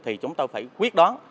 thì chúng tôi phải quyết đoán